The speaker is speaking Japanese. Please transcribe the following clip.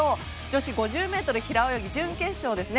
女子５０ｍ平泳ぎ準決勝です。